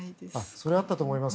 それはあったと思います。